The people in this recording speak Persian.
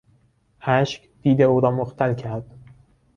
اشک دید او را مختل کرد.